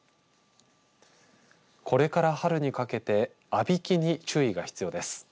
これから春にかけてあびきに注意が必要です。